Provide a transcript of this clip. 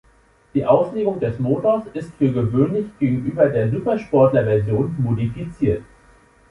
Die Auslegung des Motors ist für gewöhnlich gegenüber der Supersportler-Version modifiziert.